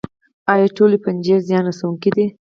ایا ټولې فنجي زیان رسوونکې دي